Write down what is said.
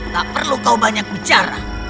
tak perlu kau banyak bicara